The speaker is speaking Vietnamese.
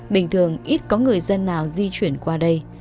bình thường ít có người dân nào di chuyển qua đây